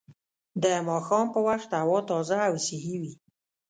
د ماښام په وخت هوا تازه او صحي وي